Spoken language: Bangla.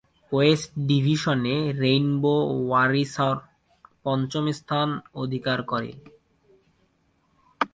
ওয়েস্ট ডিভিশনে রেইনবো ওয়ারিয়র্স পঞ্চম স্থান অধিকার করে।